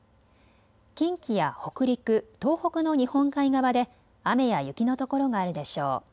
近畿や北陸、東北の日本海側で雨や雪の所があるでしょう。